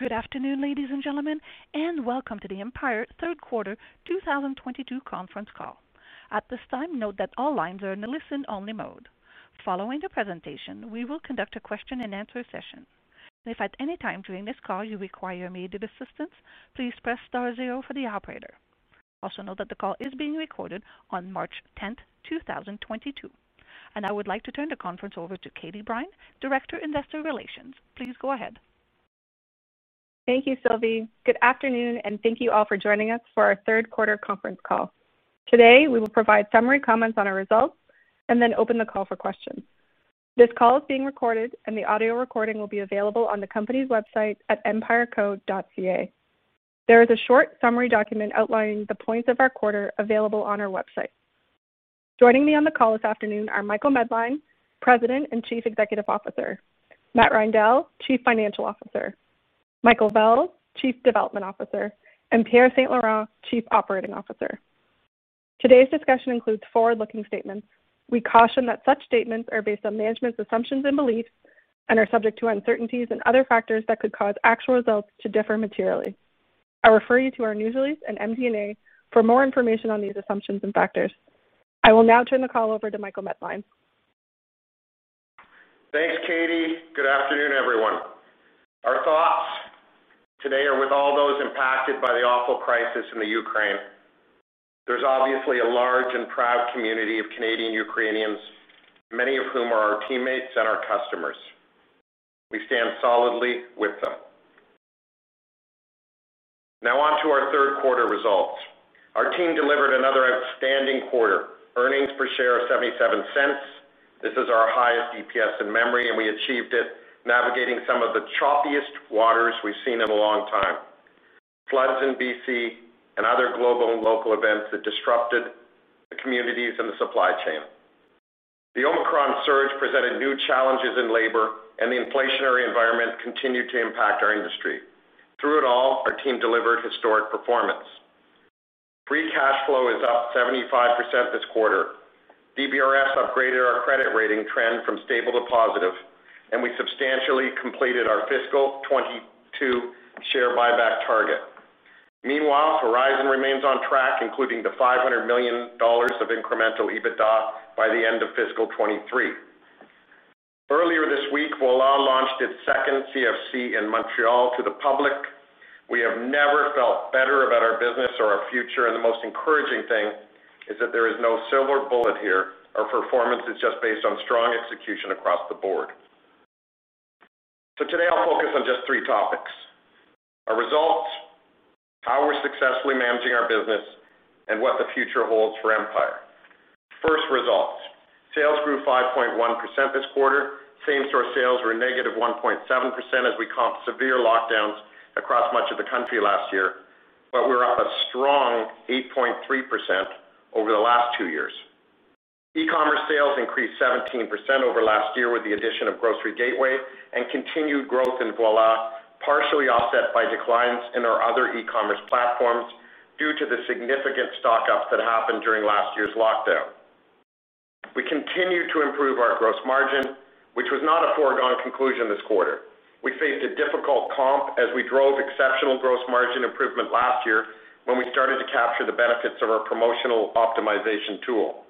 Good afternoon, ladies and gentlemen, and welcome to the Empire Q3 2022 conference call. At this time, note that all lines are in a listen-only mode. Following the presentation, we will conduct a question-and-answer session. If at any time during this call you require immediate assistance, please press star zero for the operator. Also, note that the call is being recorded on March 10, 2022. Now I would like to turn the conference over to Katie Brinacomb, Director, Investor Relations. Please go ahead. Thank you, Sylvie. Good afternoon, and thank you all for joining us for our Q3 conference call. Today, we will provide summary comments on our results and then open the call for questions. This call is being recorded, and the audio recording will be available on the company's website at empireco.ca. There is a short summary document outlining the points of our quarter available on our website. Joining me on the call this afternoon are Michael Medline, President and Chief Executive Officer, Matt Reindel, Chief Financial Officer, Michael Vels, Chief Development Officer, and Pierre St-Laurent, Chief Operating Officer. Today's discussion includes forward-looking statements. We caution that such statements are based on management's assumptions and beliefs and are subject to uncertainties and other factors that could cause actual results to differ materially. I refer you to our news release and MD&A for more information on these assumptions and factors. I will now turn the call over to Michael Medline. Thanks, Katie. Good afternoon, everyone. Our thoughts today are with all those impacted by the awful crisis in the Ukraine. There's obviously a large and proud community of Canadian Ukrainians, many of whom are our teammates and our customers. We stand solidly with them. Now on to our Q3 results. Our team delivered another outstanding quarter, earnings per share of 0.77. This is our highest EPS in memory, and we achieved it navigating some of the choppiest waters we've seen in a long time. Floods in B.C. and other global and local events that disrupted the communities and the supply chain. The Omicron surge presented new challenges in labor, and the inflationary environment continued to impact our industry. Through it all, our team delivered historic performance. Free cash flow is up 75% this quarter. DBRS upgraded our credit rating trend from stable to positive, and we substantially completed our fiscal 2022 share buyback target. Meanwhile, Horizon remains on track, including 500 million dollars of incremental EBITDA by the end of fiscal 2023. Earlier this week, Voilà launched its second CFC in Montreal to the public. We have never felt better about our business or our future, and the most encouraging thing is that there is no silver bullet here. Our performance is just based on strong execution across the board. Today I'll focus on just three topics, our results, how we're successfully managing our business, and what the future holds for Empire. First, results. Sales grew 5.1% this quarter. Same-store sales were negative 1.7% as we comp severe lockdowns across much of the country last year, but we're up a strong 8.3% over the last two years. E-commerce sales increased 17% over last year with the addition of Grocery Gateway and continued growth in Voilà, partially offset by declines in our other e-commerce platforms due to the significant stock-ups that happened during last year's lockdown. We continue to improve our gross margin, which was not a foregone conclusion this quarter. We faced a difficult comp as we drove exceptional gross margin improvement last year when we started to capture the benefits of our promotional optimization tool.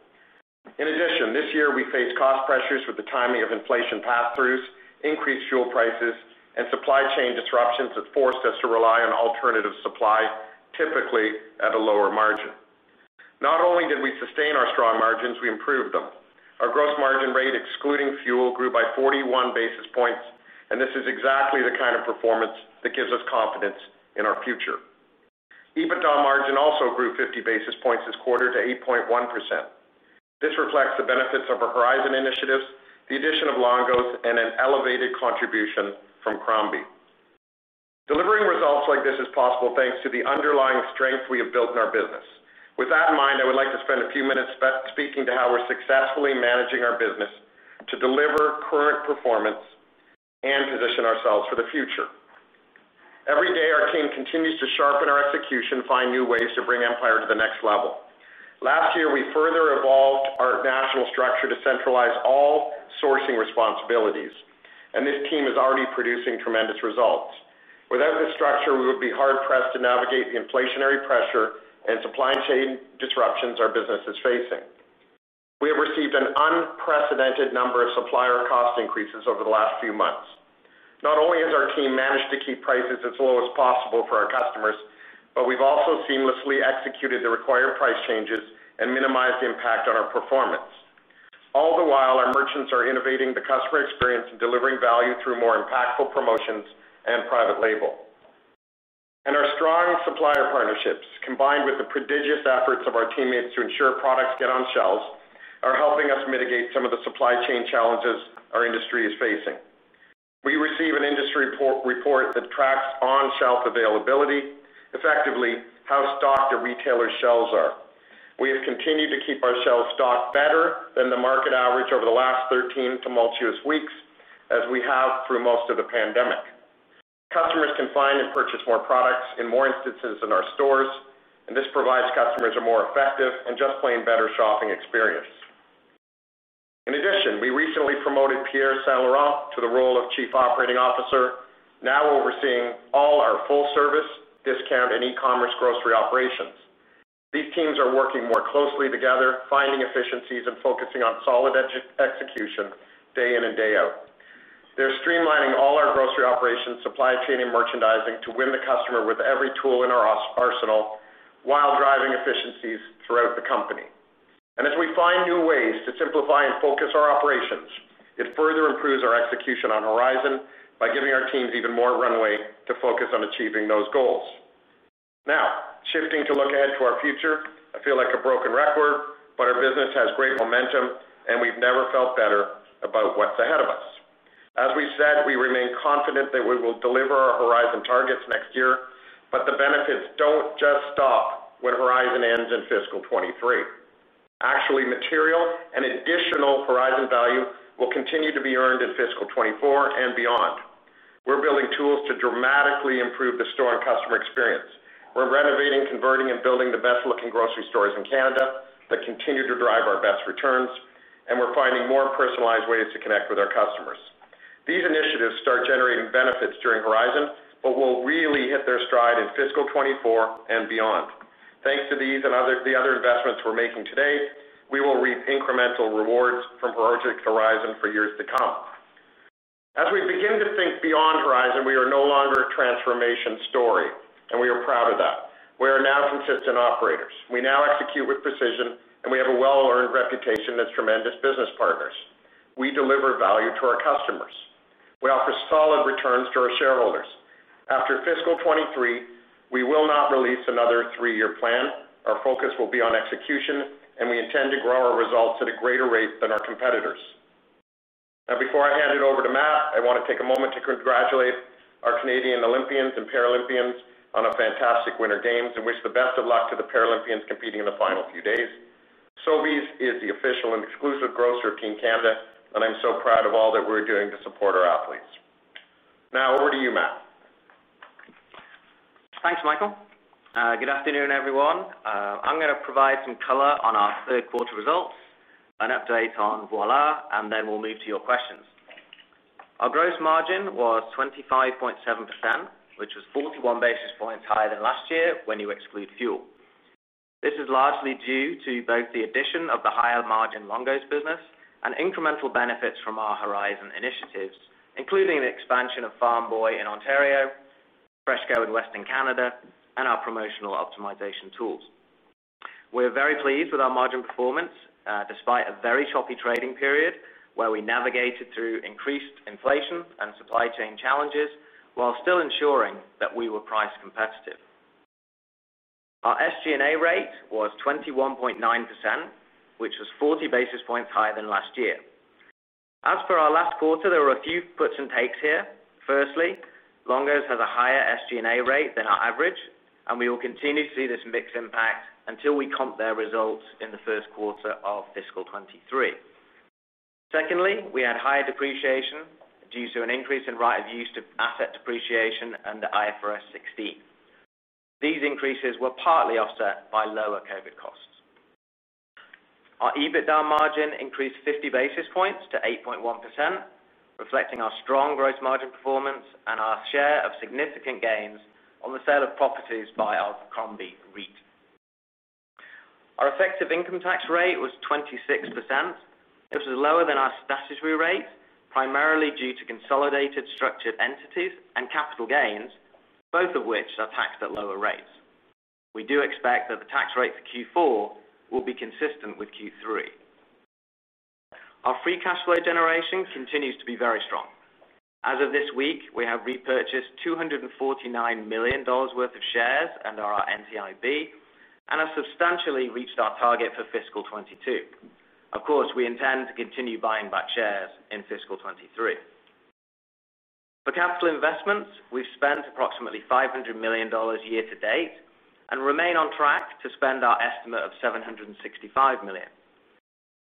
In addition, this year we faced cost pressures with the timing of inflation pass-throughs, increased fuel prices, and supply chain disruptions that forced us to rely on alternative supply, typically at a lower margin. Not only did we sustain our strong margins, we improved them. Our gross margin rate, excluding fuel, grew by 41 basis points, and this is exactly the kind of performance that gives us confidence in our future. EBITDA margin also grew 50 basis points this quarter to 8.1%. This reflects the benefits of our Horizon initiatives, the addition of Longo's, and an elevated contribution from Crombie. Delivering results like this is possible thanks to the underlying strength we have built in our business. With that in mind, I would like to spend a few minutes speaking to how we're successfully managing our business to deliver current performance and position ourselves for the future. Every day, our team continues to sharpen our execution, find new ways to bring Empire to the next level. Last year, we further evolved our national structure to centralize all sourcing responsibilities, and this team is already producing tremendous results. Without this structure, we would be hard-pressed to navigate the inflationary pressure and supply chain disruptions our business is facing. We have received an unprecedented number of supplier cost increases over the last few months. Not only has our team managed to keep prices as low as possible for our customers, but we've also seamlessly executed the required price changes and minimized the impact on our performance. All the while, our merchants are innovating the customer experience and delivering value through more impactful promotions and private label. Our strong supplier partnerships, combined with the prodigious efforts of our teammates to ensure products get on shelves, are helping us mitigate some of the supply chain challenges our industry is facing. We receive an industry report that tracks on-shelf availability, effectively how stocked a retailer's shelves are. We have continued to keep our shelves stocked better than the market average over the last 13 tumultuous weeks, as we have through most of the pandemic. Customers can find and purchase more products in more instances in our stores, and this provides customers a more effective and just plain better shopping experience. Recently promoted Pierre St-Laurent to the role of Chief Operating Officer, now overseeing all our full service, discount, and e-commerce grocery operations. These teams are working more closely together, finding efficiencies and focusing on solid execution day in and day out. They're streamlining all our grocery operations, supply chain, and merchandising to win the customer with every tool in our arsenal while driving efficiencies throughout the company. As we find new ways to simplify and focus our operations, it further improves our execution on Horizon by giving our teams even more runway to focus on achieving those goals. Now, shifting to look ahead to our future, I feel like a broken record, but our business has great momentum, and we've never felt better about what's ahead of us. As we said, we remain confident that we will deliver our Horizon targets next year, but the benefits don't just stop when Horizon ends in fiscal 2023. Actually, material and additional Horizon value will continue to be earned in fiscal 2024 and beyond. We're building tools to dramatically improve the store and customer experience. We're renovating, converting, and building the best-looking grocery stores in Canada that continue to drive our best returns, and we're finding more personalized ways to connect with our customers. These initiatives start generating benefits during Horizon, but will really hit their stride in fiscal 2024 and beyond. Thanks to these and the other investments we're making today, we will reap incremental rewards from Project Horizon for years to come. As we begin to think beyond Horizon, we are no longer a transformation story, and we are proud of that. We are now consistent operators. We now execute with precision, and we have a well-earned reputation as tremendous business partners. We deliver value to our customers. We offer solid returns to our shareholders. After fiscal 2023, we will not release another three-year plan. Our focus will be on execution, and we intend to grow our results at a greater rate than our competitors. Now, before I hand it over to Matt, I wanna take a moment to congratulate our Canadian Olympians and Paralympians on a fantastic Winter Games and wish the best of luck to the Paralympians competing in the final few days. Sobeys is the official and exclusive grocer of Team Canada, and I'm so proud of all that we're doing to support our athletes. Now over to you, Matt. Thanks, Michael. Good afternoon, everyone. I'm gonna provide some color on our Q3 results, an update on Voilà, and then we'll move to your questions. Our gross margin was 25.7%, which was 41 basis points higher than last year when you exclude fuel. This is largely due to both the addition of the higher margin Longo's business and incremental benefits from our Horizon initiatives, including the expansion of Farm Boy in Ontario, FreshCo in Western Canada, and our promotional optimization tools. We're very pleased with our margin performance, despite a very choppy trading period where we navigated through increased inflation and supply chain challenges while still ensuring that we were price competitive. Our SG&A rate was 21.9%, which was 40 basis points higher than last year. As for our last quarter, there were a few puts and takes here. Firstly, Longo's has a higher SG&A rate than our average, and we will continue to see this mixed impact until we comp their results in the Q1 of fiscal 2023. Secondly, we had higher depreciation due to an increase in right-of-use asset depreciation under IFRS 16. These increases were partly offset by lower COVID costs. Our EBITDA margin increased 50 basis points to 8.1%, reflecting our strong gross margin performance and our share of significant gains on the sale of properties by our Crombie REIT. Our effective income tax rate was 26%, which was lower than our statutory rate, primarily due to consolidated structured entities and capital gains, both of which are taxed at lower rates. We do expect that the tax rate for Q4 will be consistent with Q3. Our free cash flow generation continues to be very strong. As of this week, we have repurchased 249 million dollars worth of shares under our NCIB and have substantially reached our target for fiscal 2022. Of course, we intend to continue buying back shares in fiscal 2023. For capital investments, we've spent approximately 500 million dollars year to date and remain on track to spend our estimate of 765 million.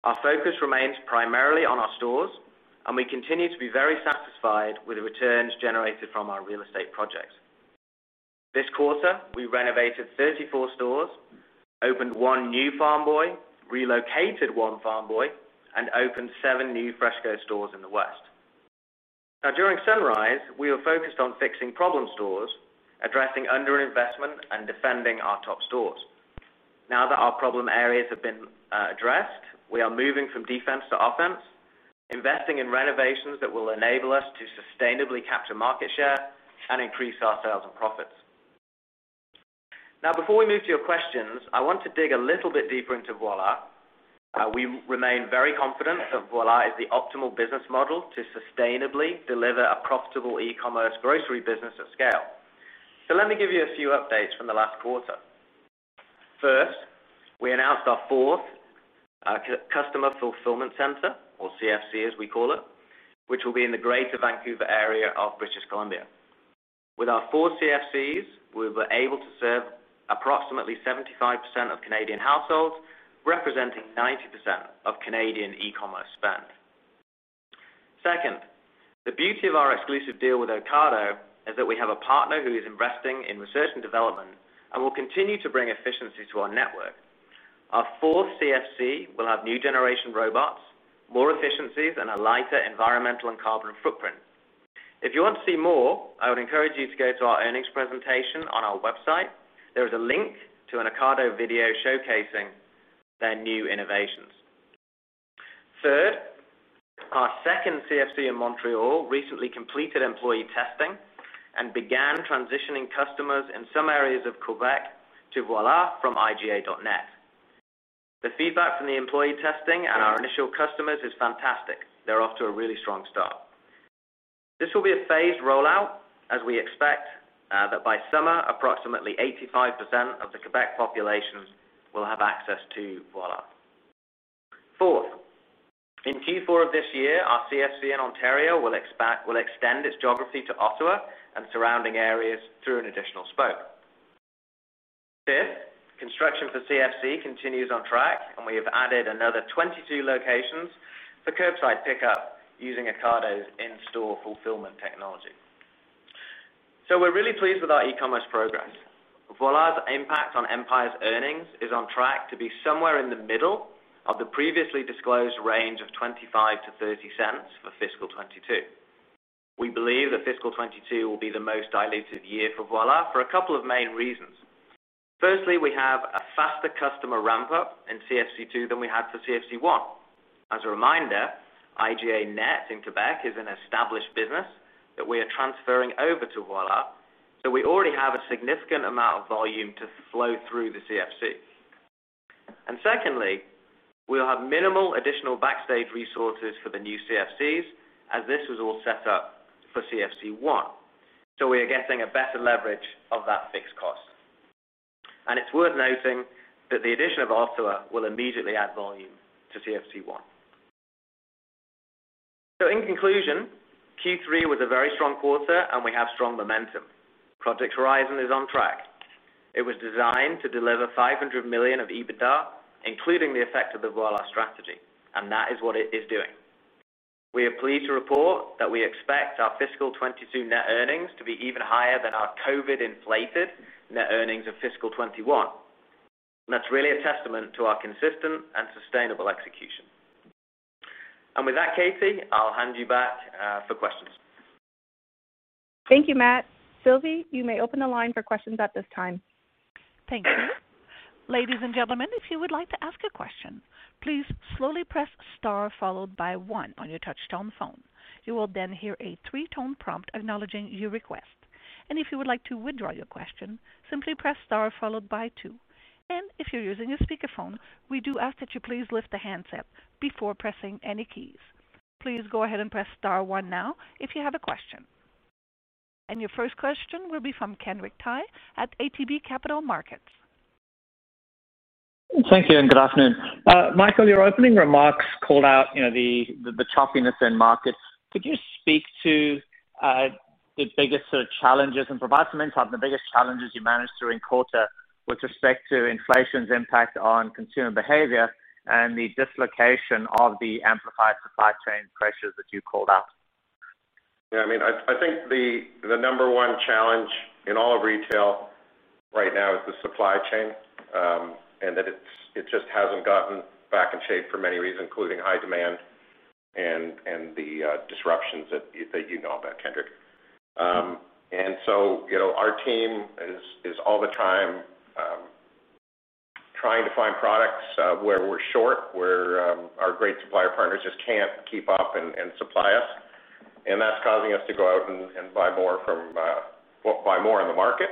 Our focus remains primarily on our stores, and we continue to be very satisfied with the returns generated from our real estate projects. This quarter, we renovated 34 stores, opened 1 new Farm Boy, relocated 1 Farm Boy, and opened 7 new FreshCo stores in the West. Now during Sunrise, we were focused on fixing problem stores, addressing under-investment, and defending our top stores. Now that our problem areas have been addressed, we are moving from defense to offense, investing in renovations that will enable us to sustainably capture market share and increase our sales and profits. Now before we move to your questions, I want to dig a little bit deeper into Voilà. We remain very confident that Voilà is the optimal business model to sustainably deliver a profitable e-commerce grocery business at scale. Let me give you a few updates from the last quarter. First, we announced our fourth customer fulfillment center or CFC as we call it, which will be in the Greater Vancouver area of British Columbia. With our four CFCs, we were able to serve approximately 75% of Canadian households, representing 90% of Canadian e-commerce spend. Second, the beauty of our exclusive deal with Ocado is that we have a partner who is investing in research and development and will continue to bring efficiency to our network. Our fourth CFC will have new generation robots, more efficiencies, and a lighter environmental and carbon footprint. If you want to see more, I would encourage you to go to our earnings presentation on our website. There is a link to an Ocado video showcasing their new innovations. Third, our second CFC in Montreal recently completed employee testing and began transitioning customers in some areas of Quebec to Voilà from IGA.net. The feedback from the employee testing and our initial customers is fantastic. They're off to a really strong start. This will be a phased rollout as we expect that by summer, approximately 85% of the Quebec population will have access to Voilà. Fourth, in Q4 of this year, our CFC in Ontario will extend its geography to Ottawa and surrounding areas through an additional spoke. Fifth, construction for CFC continues on track, and we have added another 22 locations for curbside pickup using Ocado's in-store fulfillment technology. We're really pleased with our e-commerce progress. Voilà's impact on Empire's earnings is on track to be somewhere in the middle of the previously disclosed range of 0.25-0.30 for fiscal 2022. We believe that fiscal 2022 will be the most dilutive year for Voilà for a couple of main reasons. Firstly, we have a faster customer ramp-up in CFC 2 than we had for CFC 1. As a reminder, IGA.net in Quebec is an established business that we are transferring over to Voilà, so we already have a significant amount of volume to flow through the CFC. Secondly, we'll have minimal additional backstage resources for the new CFCs, as this was all set up for CFC 1. We are getting a better leverage of that fixed cost. It's worth noting that the addition of Ottawa will immediately add volume to CFC 1. In conclusion, Q3 was a very strong quarter, and we have strong momentum. Project Horizon is on track. It was designed to deliver 500 million of EBITDA, including the effect of the Voilà strategy, and that is what it is doing. We are pleased to report that we expect our fiscal 2022 net earnings to be even higher than our COVID-inflated net earnings of fiscal 2021. That's really a testament to our consistent and sustainable execution. With that, Katie, I'll hand you back for questions. Thank you, Matt. Sylvie, you may open the line for questions at this time. Thank you. Ladies and gentlemen, if you would like to ask a question, please slowly press star followed by one on your touch-tone phone. You will then hear a three-tone prompt acknowledging your request. If you would like to withdraw your question, simply press star followed by two. If you're using a speakerphone, we do ask that you please lift the handset before pressing any keys. Please go ahead and press star one now if you have a question. Your first question will be from Kenrick Tyghe at ATB Capital Markets. Thank you, and good afternoon. Michael, your opening remarks called out, you know, the choppiness in markets. Could you speak to the biggest sort of challenges and provide some insight on the biggest challenges you managed through in quarter with respect to inflation's impact on consumer behavior and the dislocation of the amplified supply chain pressures that you called out? Yeah, I mean, I think the number one challenge in all of retail right now is the supply chain, and that it just hasn't gotten back in shape for many reasons, including high demand and the disruptions that you know about, Kenric. You know, our team is all the time trying to find products where we're short, where our great supplier partners just can't keep up and supply us, and that's causing us to go out and buy more in the market,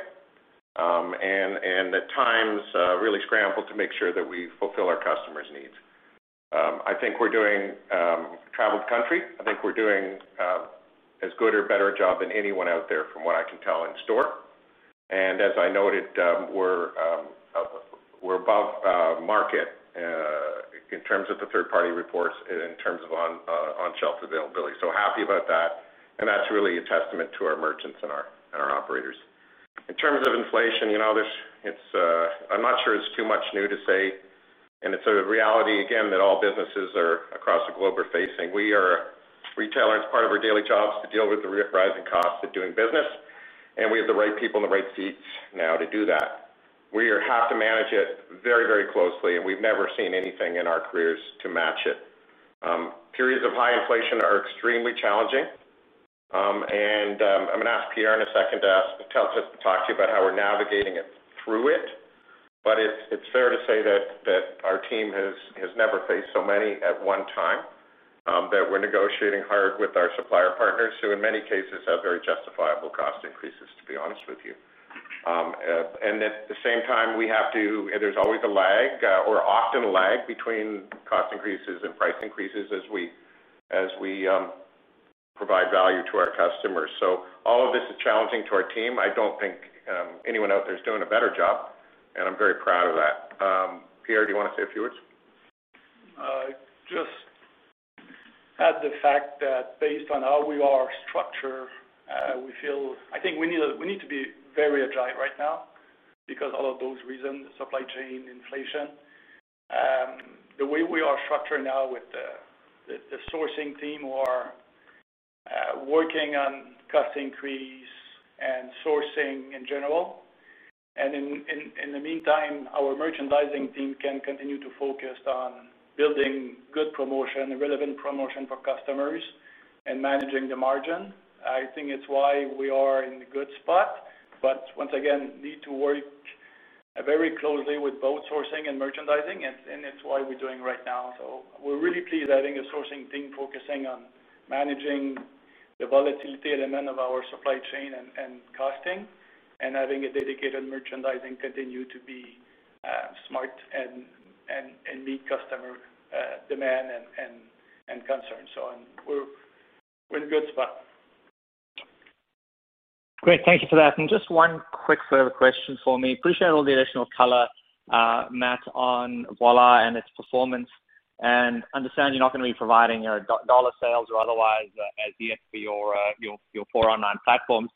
and at times really scramble to make sure that we fulfill our customers' needs. I think we're doing across the country as good or better job than anyone out there from what I can tell in store. As I noted, we're above market in terms of the third-party reports in terms of on-shelf availability. Happy about that, and that's really a testament to our merchants and our operators. In terms of inflation, you know, there's, it's, I'm not sure it's too much new to say, and it's a reality again that all businesses across the globe are facing. We are retailers, part of our daily jobs to deal with the rising costs of doing business, and we have the right people in the right seats now to do that. We have to manage it very, very closely, and we've never seen anything in our careers to match it. Periods of high inflation are extremely challenging, and I'm gonna ask Pierre in a second to talk to you about how we're navigating through it. It's fair to say that our team has never faced so many at one time that we're negotiating hard with our supplier partners who in many cases have very justifiable cost increases, to be honest with you. At the same time, there's often a lag between cost increases and price increases as we provide value to our customers. All of this is challenging to our team. I don't think anyone out there is doing a better job, and I'm very proud of that. Pierre, do you wanna say a few words? Just add the fact that based on how we are structured, I think we need to be very agile right now because all of those reasons, supply chain, inflation, the way we are structured now with the sourcing team who are working on cost increase and sourcing in general. In the meantime, our merchandising team can continue to focus on building good, relevant promotion for customers and managing the margin. I think it's why we are in a good spot. Once again, we need to work very closely with both sourcing and merchandising, and it's what we're doing right now. We're really pleased having a sourcing team focusing on managing the volatility element of our supply chain and costing, and having a dedicated merchandising continue to be smart and meet customer demand and concerns. We're in a good spot. Great. Thank you for that. Just one quick further question for me. Appreciate all the additional color, Matt, on Voilà and its performance, and understand you're not gonna be providing your dollar sales or otherwise as the SP or your 409 platforms.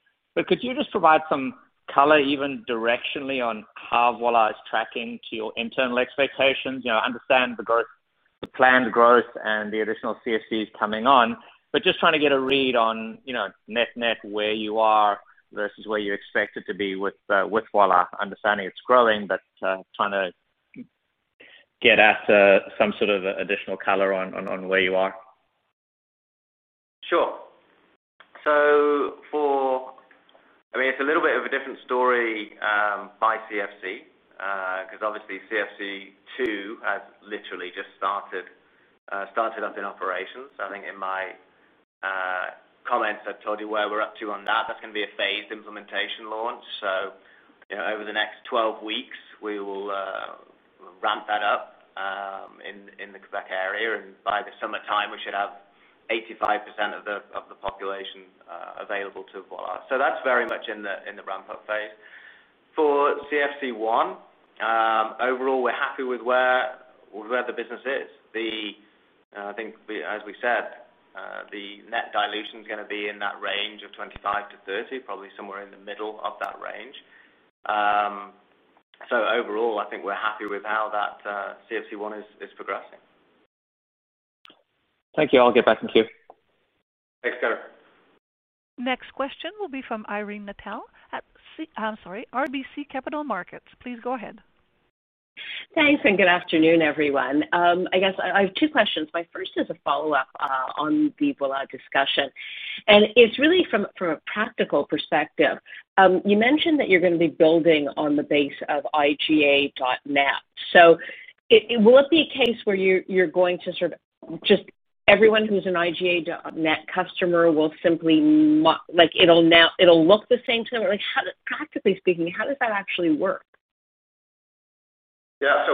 Could you just provide some color even directionally on how Voilà is tracking to your internal expectations? You know, understand the planned growth and the additional CFCs coming on. Just trying to get a read on, you know, net-net, where you are versus where you expect it to be with Voilà. Understanding it's growing, but trying to get at some sort of additional color on where you are. Sure. I mean, it's a little bit of a different story by CFC, because obviously CFC 2 has literally just started up in operations. I think in my comments, I've told you where we're up to on that. That's gonna be a phased implementation launch. You know, over the next 12 weeks, we will ramp that up in the Quebec area, and by the summertime, we should have 85% of the population available to Voilà. That's very much in the ramp-up phase. For CFC 1, overall, we're happy with where the business is. As we said, the net dilution is gonna be in that range of 25-30, probably somewhere in the middle of that range. Overall, I think we're happy with how that CFC one is progressing. Thank you. I'll give back in queue. Thanks, Kenric Tyghe. Next question will be from Irene Nattel at RBC Capital Markets. Please go ahead. Thanks, and good afternoon, everyone. I guess I have two questions. My first is a follow-up on the Voilà discussion, and it's really from a practical perspective. You mentioned that you're gonna be building on the base of IGA.net. So, will it be a case where you're going to sort of just everyone who's an IGA.net customer will simply like, it'll look the same to them. Like, practically speaking, how does that actually work? Yeah.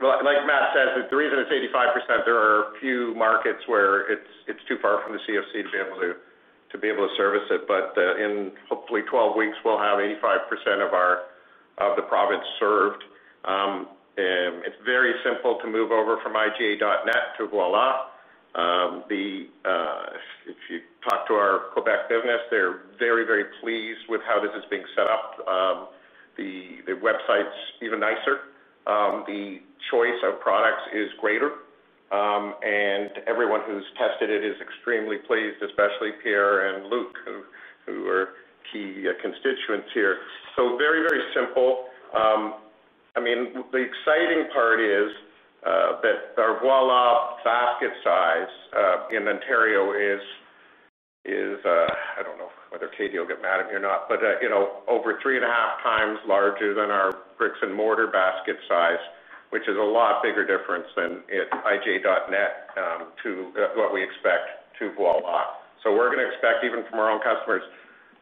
Like Matt says, the reason it's 85%, there are a few markets where it's too far from the CFC to be able to service it. In hopefully 12 weeks, we'll have 85% of the province served. It's very simple to move over from IGA.net to Voilà. If you talk to our Quebec business, they're very, very pleased with how this is being set up. The website's even nicer. The choice of products is greater. And everyone who's tested it is extremely pleased, especially Pierre and Luc, who are key constituents here. Very, very simple. I mean, the exciting part is that our Voilà basket size in Ontario is I don't know whether Katie will get mad if you're not, but you know, over 3.5 times larger than our bricks and mortar basket size, which is a lot bigger difference than at IGA.net to what we expect to Voilà. We're gonna expect even from our own customers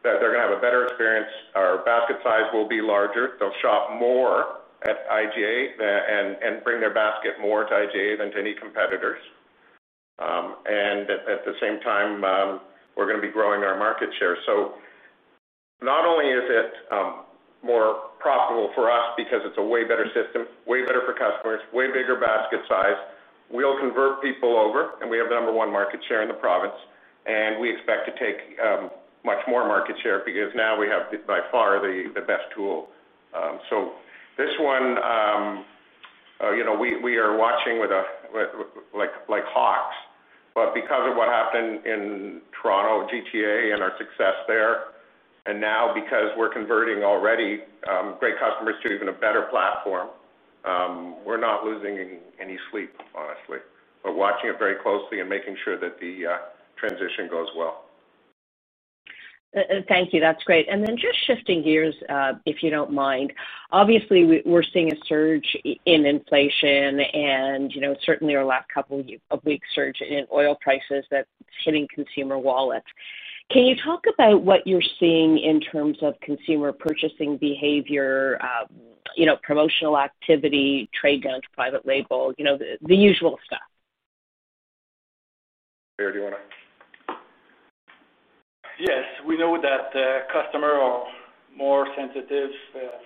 that they're gonna have a better experience. Our basket size will be larger. They'll shop more at IGA and bring their basket more to IGA than to any competitors. And at the same time, we're gonna be growing our market share. Not only is it more profitable for us because it's a way better system, way better for customers, way bigger basket size, we'll convert people over, and we have the number one market share in the province, and we expect to take much more market share because now we have by far the best tool. This one, you know, we are watching with like hawks. Because of what happened in Toronto GTA and our success there, and now because we're converting already great customers to even a better platform, we're not losing any sleep, honestly. We're watching it very closely and making sure that the transition goes well. Thank you. That's great. Then just shifting gears, if you don't mind. Obviously, we're seeing a surge in inflation and, you know, certainly over the last couple of weeks, surge in oil prices that's hitting consumer wallets. Can you talk about what you're seeing in terms of consumer purchasing behavior, you know, promotional activity, trade downs, private label, you know, the usual stuff? Pierre, do you wanna? Yes. We know that customers are more sensitive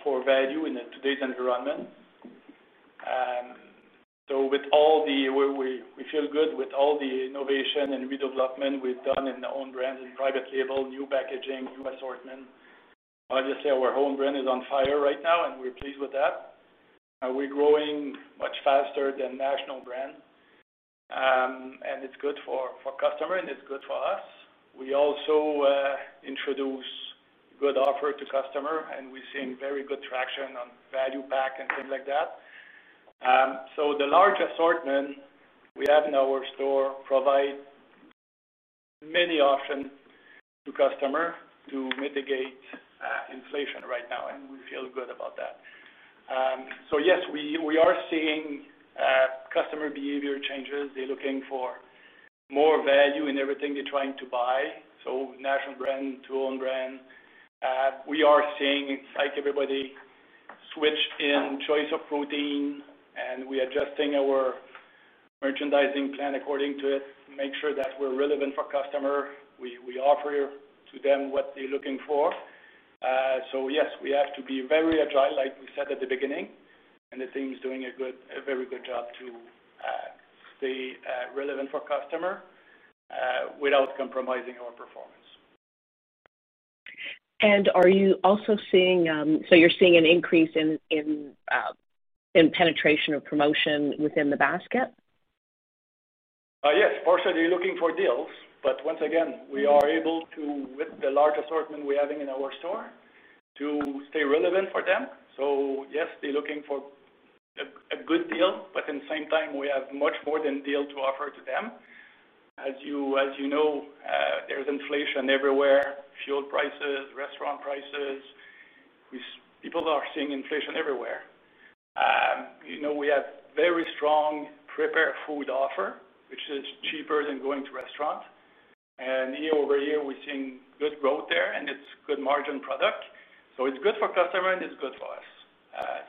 for value in today's environment. We feel good with all the innovation and redevelopment we've done in the own brands and private label, new packaging, new assortment. Obviously, our home brand is on fire right now, and we're pleased with that. We're growing much faster than national brand. It's good for customer, and it's good for us. We also introduce good offer to customer, and we've seen very good traction on value pack and things like that. The large assortment we have in our store provide many options to customer to mitigate inflation right now, and we feel good about that. Yes, we are seeing customer behavior changes. They're looking for more value in everything they're trying to buy, so national brand to own brand. We are seeing, like everybody, switch in choice of protein, and we're adjusting our merchandising plan according to it to make sure that we're relevant for customer. We offer to them what they're looking for. Yes, we have to be very agile, like we said at the beginning, and the team is doing a very good job to stay relevant for customer without compromising our performance. You're seeing an increase in penetration or promotion within the basket? Yes. Partially, looking for deals. Once again, we are able to, with the large assortment we're having in our store, to stay relevant for them. Yes, they're looking for a good deal, but at the same time, we have much more than deal to offer to them. As you know, there's inflation everywhere, fuel prices, restaurant prices. People are seeing inflation everywhere. You know, we have very strong prepared food offer, which is cheaper than going to restaurant. Year-over-year, we're seeing good growth there, and it's good margin product. It's good for customer, and it's good for us.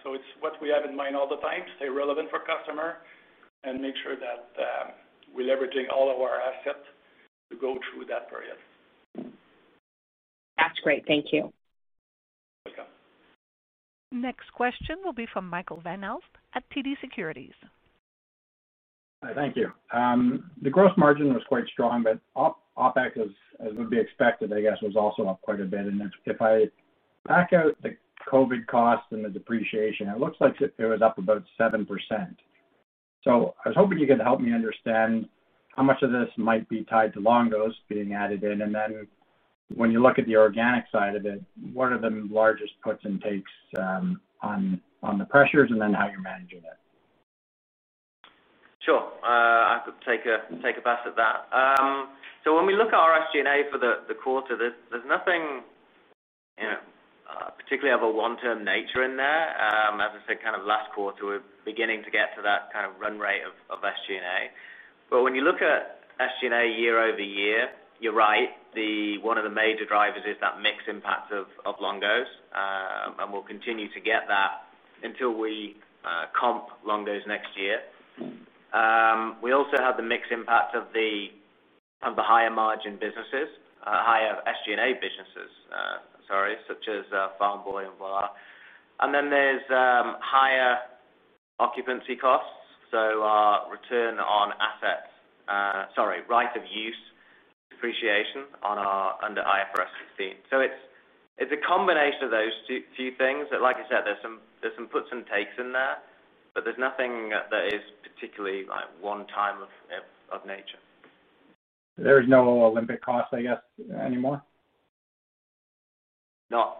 It's what we have in mind all the time, stay relevant for customer and make sure that we're leveraging all of our assets to go through that period. That's great. Thank you. Welcome. Next question will be from Michael Van Aelst at TD Securities. Thank you. The gross margin was quite strong, but OpEx, as would be expected, I guess, was also up quite a bit. If I back out the COVID costs and the depreciation, it looks like it was up about 7%. I was hoping you could help me understand how much of this might be tied to Longo's being added in. When you look at the organic side of it, what are the largest puts and takes on the pressures and then how you're managing it? Sure. I could take a pass at that. When we look at our SG&A for the quarter, there's nothing, you know, particularly of a long-term nature in there. As I said kind of last quarter, we're beginning to get to that kind of run rate of SG&A. When you look at SG&A year-over-year, you're right. One of the major drivers is that mix impact of Longo's, and we'll continue to get that until we comp Longo's next year. We also have the mix impact of the higher margin businesses, higher SG&A businesses, sorry, such as Farm Boy and Voilà. There's higher occupancy costs, so return on assets, sorry, right-of-use depreciation on our under IFRS 16. It's a combination of those two things that, like I said, there's some puts and takes in there, but there's nothing that is particularly like one-time in nature. There's no Olympic cost, I guess, anymore? Not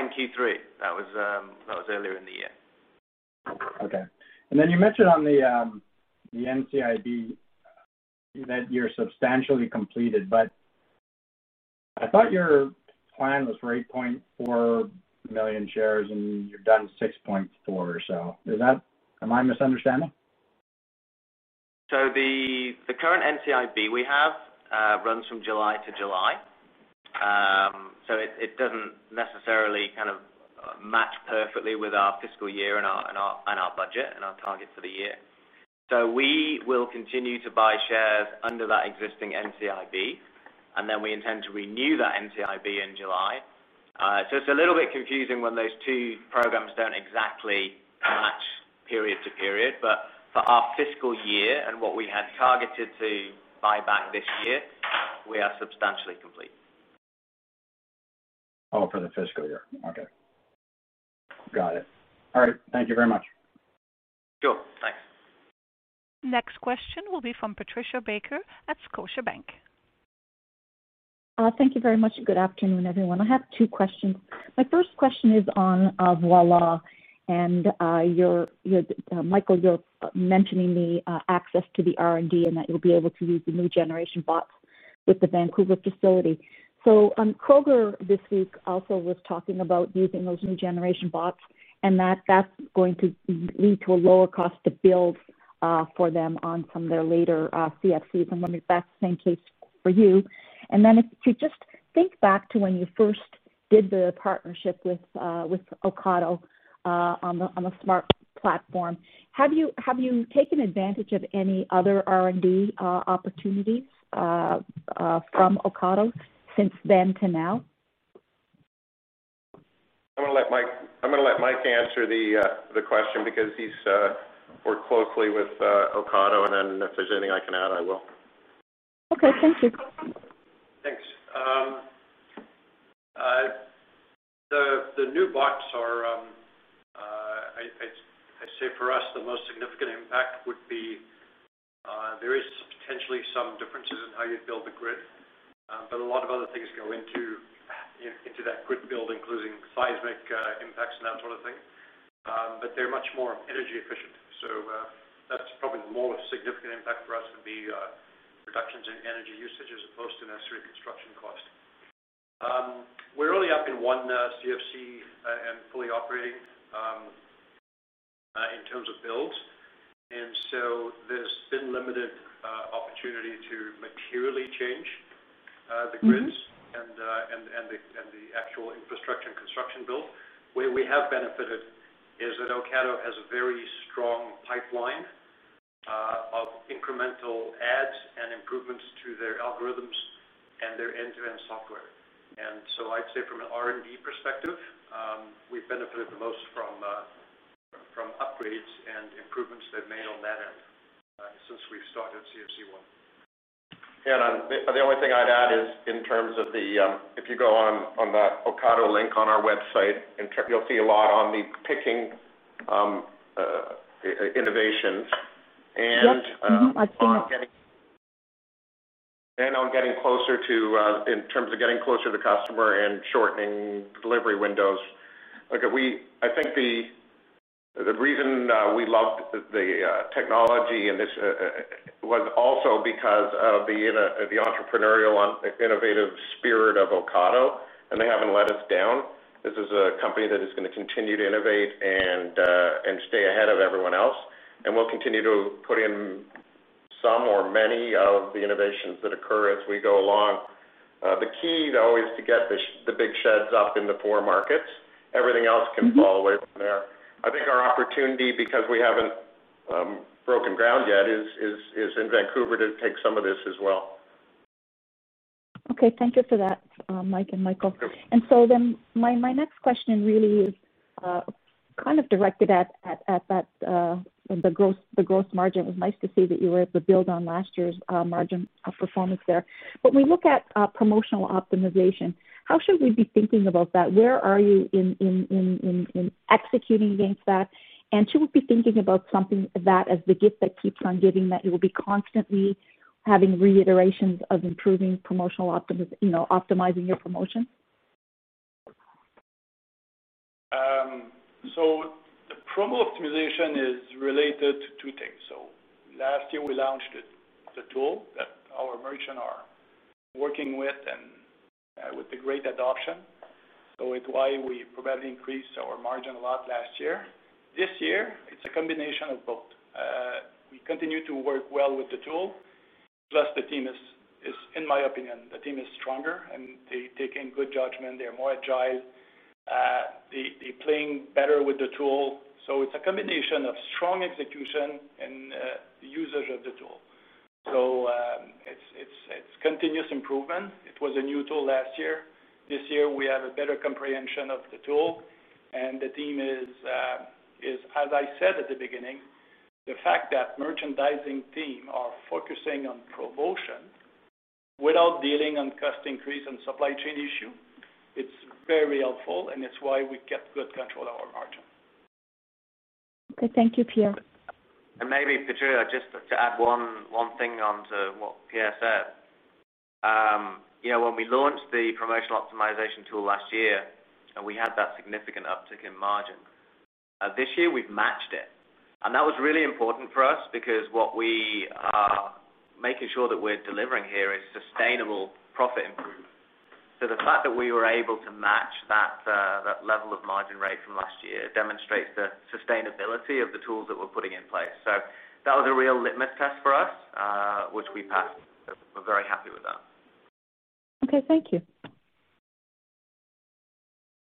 in Q3. That was earlier in the year. Okay. Then you mentioned on the NCIB that you're substantially completed, but I thought your plan was for 8.4 million shares, and you've done 6.4 or so. Is that? Am I misunderstanding? The current NCIB we have runs from July to July. It doesn't necessarily kind of match perfectly with our fiscal year and our budget and our targets for the year. We will continue to buy shares under that existing NCIB, and then we intend to renew that NCIB in July. It's a little bit confusing when those two programs don't exactly match period to period. For our fiscal year and what we had targeted to buy back this year, we are substantially complete. For the fiscal year. Okay. Got it. All right. Thank you very much. Sure. Thanks. Next question will be from Patricia Baker at Scotiabank. Thank you very much. Good afternoon, everyone. I have two questions. My first question is on Voilà and you, Michael, you're mentioning the access to the R&D and that you'll be able to use the new generation bots with the Vancouver facility. Kroger this week also was talking about using those new generation bots and that that's going to lead to a lower cost to build for them on some of their later CFCs. I'm wondering if that's the same case for you. If you just think back to when you first did the partnership with Ocado on the Smart Platform, have you taken advantage of any other R&D opportunities from Ocado since then to now? I'm gonna let Mike answer the question because he's worked closely with Ocado, and then if there's anything I can add, I will. Okay, thank you. Thanks. The new bots are, I'd say for us the most significant impact would be, there is potentially some differences in how you build the grid, but a lot of other things go into that grid build, including seismic impacts and that sort of thing. But they're much more energy efficient. So, that's probably the more significant impact for us would be, reductions in energy usage as opposed to necessarily construction cost. We're only up in one CFC and fully operating in terms of build. There's been limited opportunity to materially change the grids. The actual infrastructure and construction build. Where we have benefited is that Ocado has a very strong pipeline of incremental adds and improvements to their algorithms and their end-to-end software. I'd say from an R&D perspective, we've benefited the most from upgrades and improvements they've made on that end since we've started CFC one. The only thing I'd add is in terms of. If you go on the Ocado link on our website, in there you'll see a lot on the picking innovations and Yes. I've seen it. On getting closer to, in terms of getting closer to customer and shortening delivery windows. Okay, I think the reason we loved the technology and this was also because of the entrepreneurial innovative spirit of Ocado, and they haven't let us down. This is a company that is gonna continue to innovate and stay ahead of everyone else. We'll continue to put in some or many of the innovations that occur as we go along. The key, though, is to get the big sheds up in the four markets. Everything else Can fall away from there. I think our opportunity, because we haven't broken ground yet, is in Vancouver to take some of this as well. Okay. Thank you for that, Mike and Michael. Sure. My next question really is, kind of directed at that, the gross margin. It was nice to see that you were able to build on last year's margin performance there. When we look at promotional optimization, how should we be thinking about that? Where are you in executing against that? Should we be thinking about something that as the gift that keeps on giving, that you will be constantly having reiterations of improving promotional optimization, you know, optimizing your promotions? The promo optimization is related to two things. Last year we launched a tool that our merchants are working with and with great adoption. That's why we probably increased our margin a lot last year. This year it's a combination of both. We continue to work well with the tool, plus the team is. In my opinion, the team is stronger, and they're taking good judgment. They're more agile. They're playing better with the tool. It's a combination of strong execution and use of the tool. It's continuous improvement. It was a new tool last year. This year we have a better comprehension of the tool, and the team is. As I said at the beginning, the fact that merchandising team are focusing on promotion without dealing with cost increase and supply chain issue, it's very helpful, and it's why we kept good control of our margin. Okay, thank you, Pierre. Maybe, Patricia, just to add one thing onto what Pierre said. You know, when we launched the promotional optimization tool last year and we had that significant uptick in margin, this year we've matched it. That was really important for us because what we are making sure that we're delivering here is sustainable profit improvement. The fact that we were able to match that level of margin rate from last year demonstrates the sustainability of the tools that we're putting in place. That was a real litmus test for us, which we passed. We're very happy with that. Okay, thank you.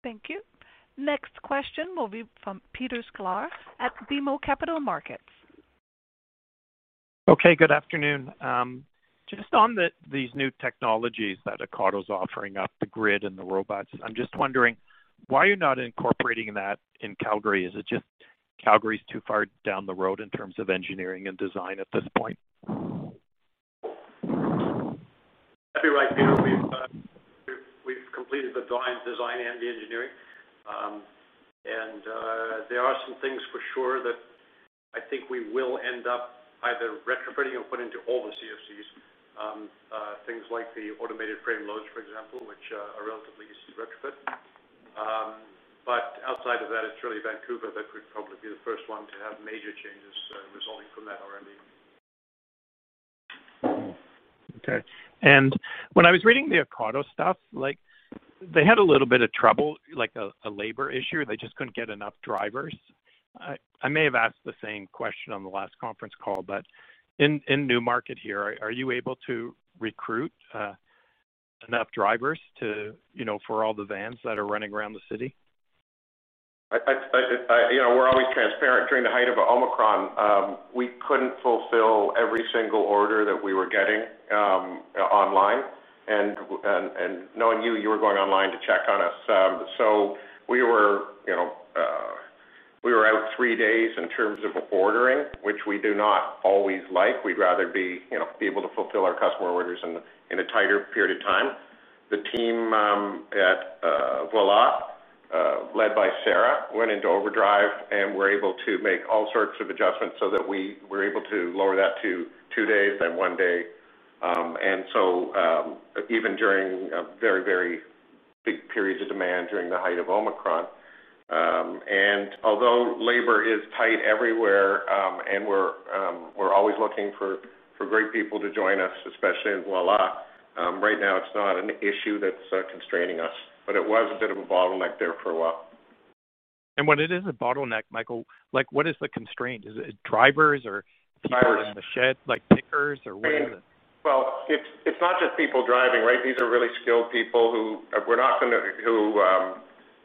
Thank you. Next question will be from Peter Sklar at BMO Capital Markets. Okay, good afternoon. Just on these new technologies that Ocado's offering up, the grid and the robots, I'm just wondering why you're not incorporating that in Calgary. Is it just Calgary's too far down the road in terms of engineering and design at this point? That'd be right, Peter. We've completed the design and the engineering. There are some things for sure that I think we will end up either retrofitting or putting into all the CFCs, things like the automated frame loads, for example, which are relatively easy to retrofit. Outside of that, it's really Vancouver that could probably be the first one to have major changes resulting from that R&D. Okay. When I was reading the Ocado stuff, like, they had a little bit of trouble, like a labor issue. They just couldn't get enough drivers. I may have asked the same question on the last conference call, but in new market here, are you able to recruit enough drivers to, you know, for all the vans that are running around the city? You know, we're always transparent. During the height of Omicron, we couldn't fulfill every single order that we were getting online. Knowing you were going online to check on us. We were, you know, out three days in terms of ordering, which we do not always like. We'd rather be, you know, able to fulfill our customer orders in a tighter period of time. The team at Voilà, led by Sarah, went into overdrive, and we were able to make all sorts of adjustments so that we were able to lower that to two days, then one day. Even during very, very big periods of demand during the height of Omicron. Although labor is tight everywhere, we're always looking for great people to join us, especially in Voilà. Right now it's not an issue that's constraining us, but it was a bit of a bottleneck there for a while. When it is a bottleneck, Michael, like, what is the constraint? Is it drivers or Drivers. People in the shed, like pickers or what is it? I mean, well, it's not just people driving, right? These are really skilled people who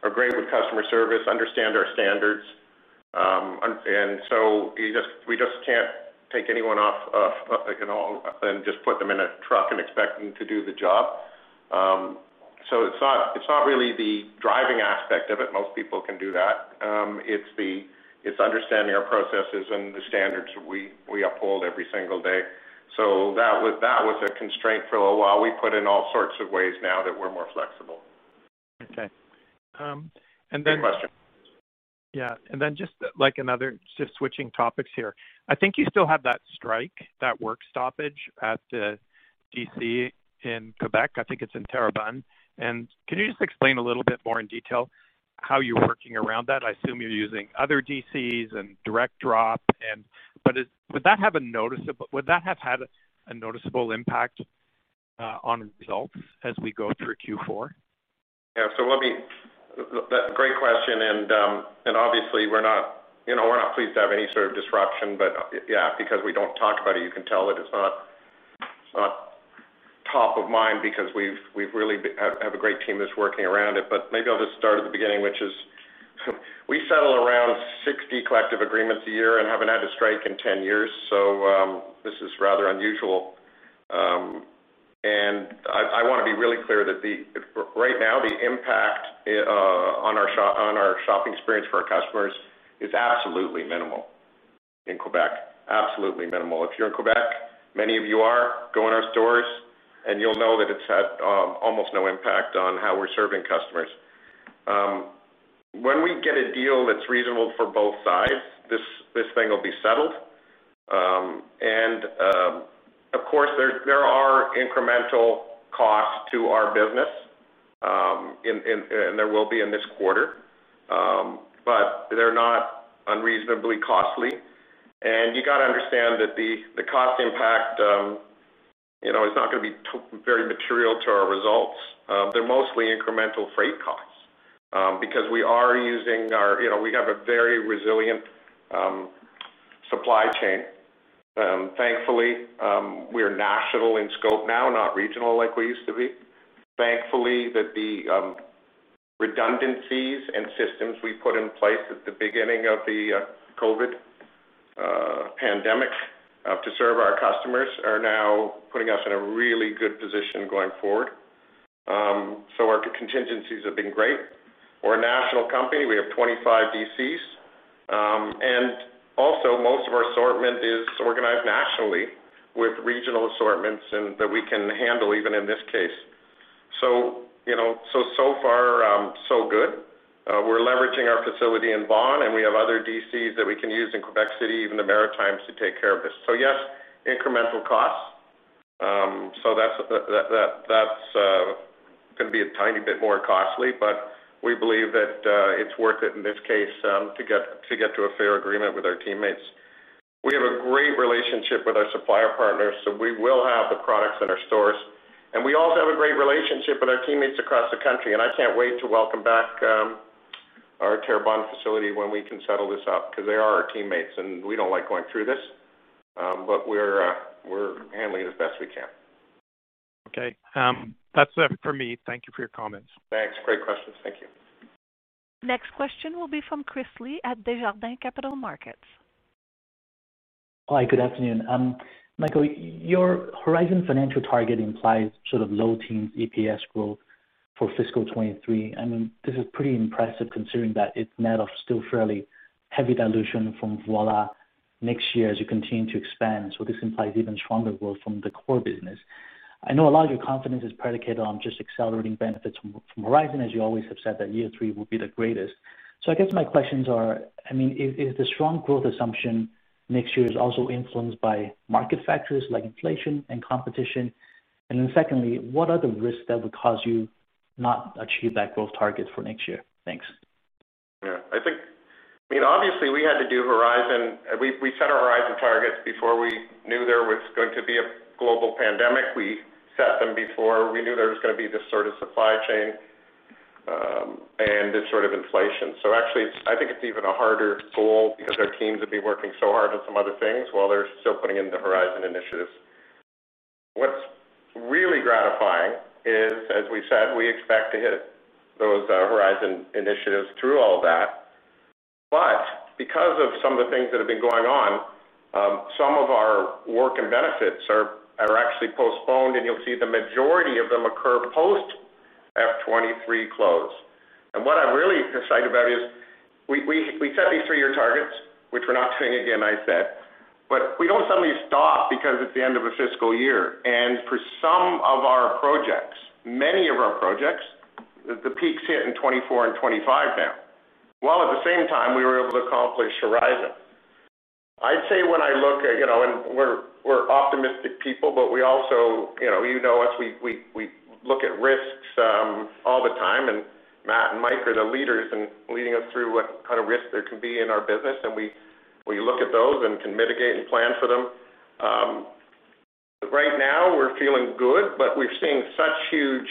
are great with customer service, understand our standards. We just can't take anyone off the street and just put them in a truck and expect them to do the job. It's not really the driving aspect of it. Most people can do that. It's the understanding our processes and the standards we uphold every single day. That was a constraint for a little while. We put in all sorts of ways now that we're more flexible. Okay. Great question. Yeah. Then just like another, just switching topics here. I think you still have that strike, that work stoppage at DC in Quebec. I think it's in Terrebonne. Can you just explain a little bit more in detail how you're working around that? I assume you're using other DCs and direct drop, but would that have had a noticeable impact on results as we go through Q4? That's a great question, and obviously we're not, you know, we're not pleased to have any sort of disruption. Because we don't talk about it, you can tell that it's not top of mind because we really have a great team that's working around it. Maybe I'll just start at the beginning, which is we settle around 60 collective agreements a year and haven't had a strike in 10 years, so this is rather unusual. I wanna be really clear that right now, the impact on our shopping experience for our customers is absolutely minimal in Quebec. Absolutely minimal. If you're in Quebec, many of you are, go in our stores and you'll know that it's had almost no impact on how we're serving customers. When we get a deal that's reasonable for both sides, this thing will be settled. Of course, there are incremental costs to our business, and there will be in this quarter, but they're not unreasonably costly. You gotta understand that the cost impact, you know, is not gonna be very material to our results. They're mostly incremental freight costs, because we are using our, you know, we have a very resilient supply chain. Thankfully, we're national in scope now, not regional like we used to be. Thankfully, the redundancies and systems we put in place at the beginning of the COVID pandemic to serve our customers are now putting us in a really good position going forward. Our contingencies have been great. We're a national company. We have 25 DCs. Also most of our assortment is organized nationally with regional assortments and that we can handle even in this case. So far, so good. We're leveraging our facility in Vaughan, and we have other DCs that we can use in Quebec City, even the Maritimes to take care of this. Yes, incremental costs, that's gonna be a tiny bit more costly, but we believe that it's worth it in this case to get to a fair agreement with our teammates. We have a great relationship with our supplier partners, so we will have the products in our stores. We also have a great relationship with our teammates across the country, and I can't wait to welcome back our Terrebonne facility when we can settle this up, because they are our teammates and we don't like going through this. We're handling it as best we can. Okay. That's it for me. Thank you for your comments. Thanks. Great questions. Thank you. Next question will be from Chris Li at Desjardins Capital Markets. Hi, good afternoon. Michael, your Horizon financial target implies sort of low teens EPS growth for fiscal 2023. I mean, this is pretty impressive considering that it's net of still fairly heavy dilution from Voilà next year as you continue to expand. This implies even stronger growth from the core business. I know a lot of your confidence is predicated on just accelerating benefits from Horizon, as you always have said that year three will be the greatest. I guess my questions are, I mean, is the strong growth assumption next year also influenced by market factors like inflation and competition? And then secondly, what are the risks that would cause you not achieve that growth target for next year? Thanks. Yeah. I think, I mean, obviously we had to do Horizon. We set our Horizon targets before we knew there was going to be a global pandemic. We set them before we knew there was gonna be this sort of supply chain, and this sort of inflation. Actually, I think it's even a harder goal because our teams would be working so hard on some other things while they're still putting in the Horizon initiatives. What's really gratifying is, as we said, we expect to hit those Horizon initiatives through all that. Because of some of the things that have been going on, some of our work and benefits are actually postponed, and you'll see the majority of them occur post FY 2023 close. What I'm really excited about is we set these three-year targets, which we're not doing again, I said, but we don't suddenly stop because it's the end of a fiscal year. For some of our projects, many of our projects, the peaks hit in 2024 and 2025 now, while at the same time, we were able to accomplish Horizon. I'd say when I look at, you know we're optimistic people, but we also, you know, you know us, we look at risks all the time. Matt and Mike are the leaders in leading us through what kind of risks there can be in our business, and we look at those and can mitigate and plan for them. Right now we're feeling good, but we're seeing such huge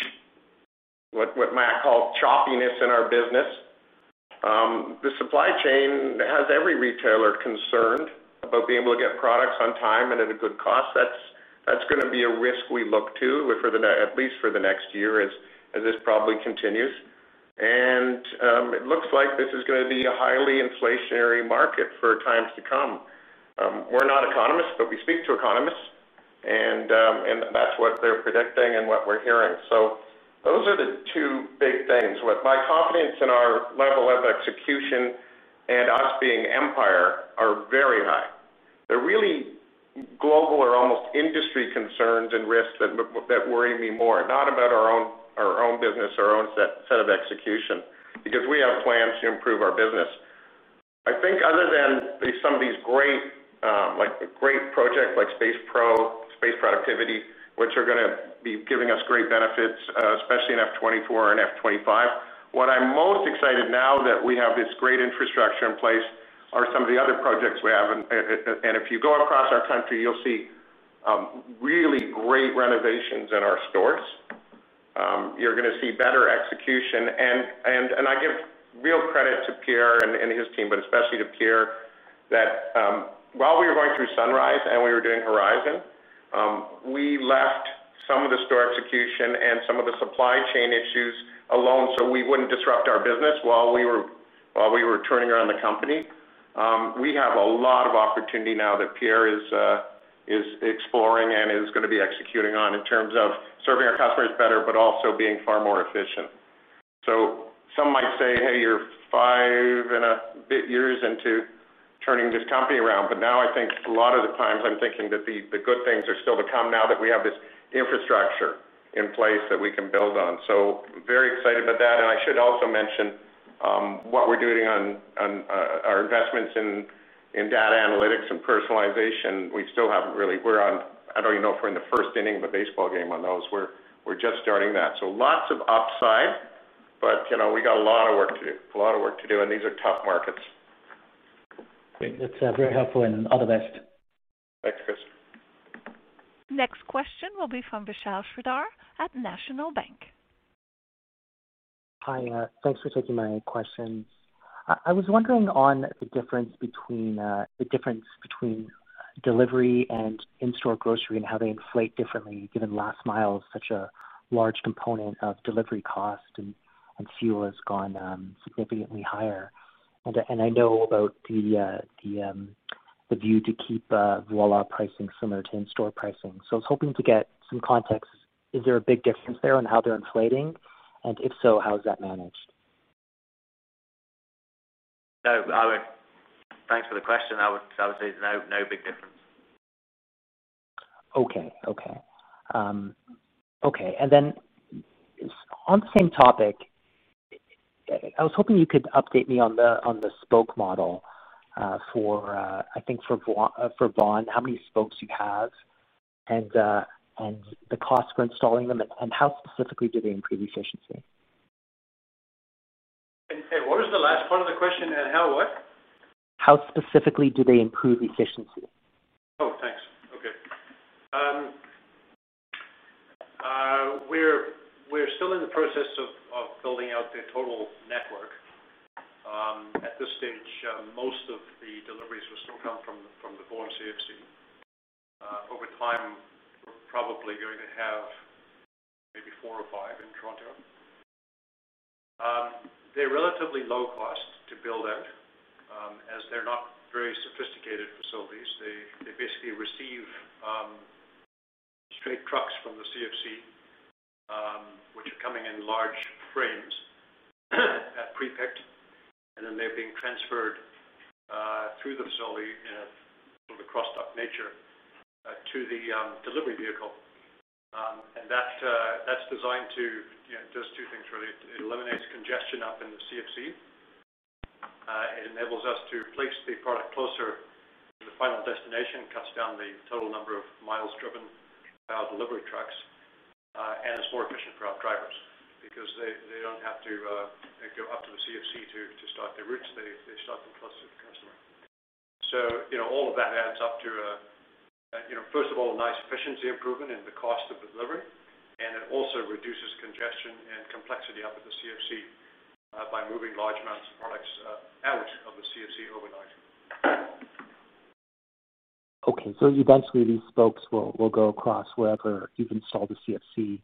what Matt called choppiness in our business. The supply chain has every retailer concerned about being able to get products on time and at a good cost. That's gonna be a risk we look out for at least for the next year as this probably continues. It looks like this is gonna be a highly inflationary market for some time to come. We're not economists, but we speak to economists, and that's what they're predicting and what we're hearing. Those are the two big things. With my confidence in our level of execution and us being Empire are very high. They're really global or almost industry concerns and risks that worry me more, not about our own business, our own set of execution, because we have plans to improve our business. I think other than these, some of these great, like the great projects like Space Productivity, which are gonna be giving us great benefits, especially in FY 2024 and FY 2025. What I'm most excited now that we have this great infrastructure in place are some of the other projects we have. If you go across our country, you'll see really great renovations in our stores. You're gonna see better execution. I give real credit to Pierre and his team, but especially to Pierre, that while we were going through Sunrise and we were doing Horizon, we left some of the store execution and some of the supply chain issues alone so we wouldn't disrupt our business while we were turning around the company. We have a lot of opportunity now that Pierre is exploring and is gonna be executing on in terms of serving our customers better, but also being far more efficient. Some might say, "Hey, you're 5 and a bit years into turning this company around." Now I think a lot of the times I'm thinking that the good things are still to come now that we have this infrastructure in place that we can build on. Very excited about that. I should also mention what we're doing on our investments in data analytics and personalization. We still haven't really. We're on, I don't even know if we're in the first inning of a baseball game on those. We're just starting that. Lots of upside, but, you know, we got a lot of work to do. A lot of work to do, and these are tough markets. Great. That's very helpful and all the best. Thanks, Chris. Next question will be from Vishal Shreedhar at National Bank. Hi. Thanks for taking my questions. I was wondering about the difference between delivery and in-store grocery and how they inflate differently, given last mile is such a large component of delivery cost and fuel has gone significantly higher. I know about the view to keep Voilà pricing similar to in-store pricing. I was hoping to get some context. Is there a big difference there on how they're inflating? If so, how is that managed? Thanks for the question. I would say there's no big difference. Okay. On the same topic, I was hoping you could update me on the Spoke model for Vaughan, how many Spokes you have and the cost for installing them, and how specifically do they improve efficiency? What is the last part of the question? How what? How specifically do they improve efficiency? Thanks. Okay. We're still in the process of building out the total network. At this stage, most of the deliveries will still come from the Vaughan CFC. Over time, we're probably going to have maybe four or five in Toronto. They're relatively low cost to build out, as they're not very sophisticated facilities. They basically receive straight trucks from the CFC, which are coming in large frames, pre-picked, and then they're being transferred through the facility in a sort of a cross-dock nature to the delivery vehicle. That's designed to, you know, does two things, really. It eliminates congestion up in the CFC. It enables us to place the product closer to the final destination, cuts down the total number of miles driven by our delivery trucks, and it's more efficient for our drivers because they don't have to go up to the CFC to start their routes. They start them closer to the customer. You know, all of that adds up to a, you know, first of all, a nice efficiency improvement in the cost of delivery, and it also reduces congestion and complexity up at the CFC by moving large amounts of products out of the CFC overnight. Eventually these Spokes will go across wherever you can solve the CFC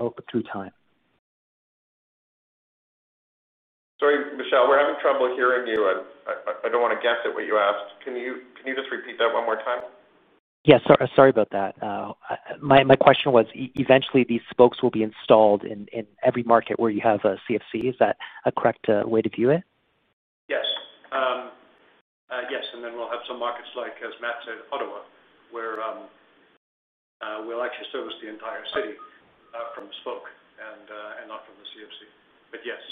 over through time. Sorry, Vishal. We're having trouble hearing you. I don't wanna guess at what you asked. Can you just repeat that one more time? Yeah. Sorry about that. My question was eventually these spokes will be installed in every market where you have a CFC. Is that a correct way to view it? Yes. We'll have some markets like, as Matt said, Ottawa, where we'll actually service the entire city from spoke and not from the CFC. Yes,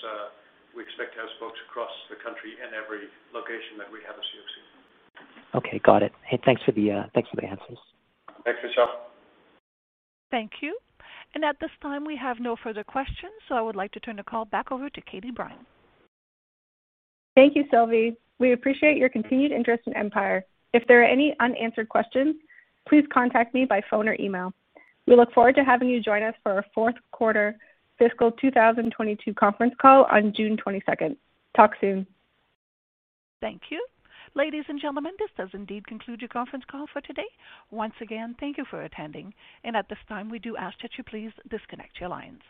we expect to have spokes across the country in every location that we have a CFC. Okay. Got it. Hey, thanks for the answers. Thanks, Vishal. Thank you. At this time, we have no further questions, so I would like to turn the call back over to Katie Brine. Thank you, Sylvie. We appreciate your continued interest in Empire. If there are any unanswered questions, please contact me by phone or email. We look forward to having you join us for our Q4 fiscal 2022 conference call on June 22. Talk soon. Thank you. Ladies and gentlemen, this does indeed conclude your conference call for today. Once again, thank you for attending. At this time, we do ask that you please disconnect your lines.